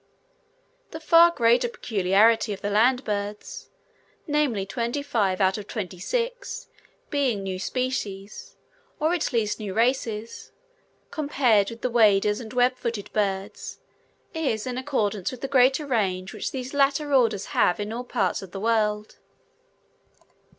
The far greater peculiarity of the land birds, namely, twenty five out of twenty six, being new species, or at least new races, compared with the waders and web footed birds, is in accordance with the greater range which these latter orders have in all parts of the world.